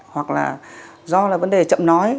hoặc là do là vấn đề chậm nói